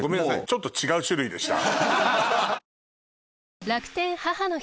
ちょっと違う種類でした。